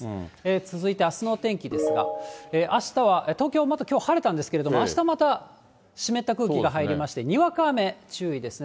続いてあすのお天気ですが、あしたは東京、きょう晴れたんですけど、あした、また湿った空気が入りまして、にわか雨注意ですね。